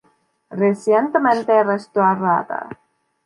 Recientemente restaurada.